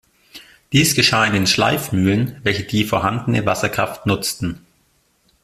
Dies geschah in den Schleifmühlen, welche die vorhandene Wasserkraft nutzten.